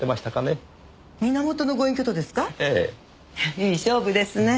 いい勝負ですね。